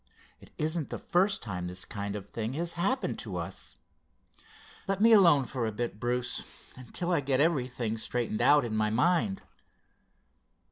It isn't the first time this kind of a thing has happened to us. Let me alone for a bit, Bruce, till I get everything straightened out in my mind."